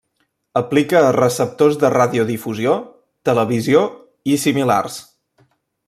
Aplica a receptors de radiodifusió, televisió i similars.